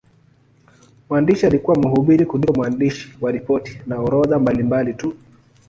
Mwandishi alikuwa mhubiri kuliko mwandishi wa ripoti na orodha mbalimbali tu.